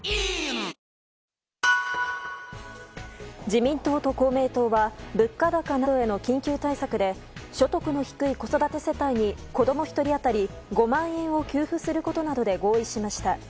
自民党と公明党は物価高などへの緊急対策で所得の低い子育て世帯に子供１人当たり５万円を給付することなどで合意しました。